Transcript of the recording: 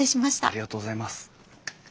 ありがとうございます。